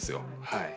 はい。